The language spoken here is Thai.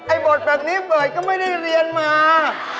บทแบบนี้เบิร์ดก็ไม่ได้เรียนมา